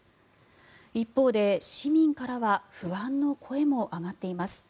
一方で、市民からは不安の声も上がっています。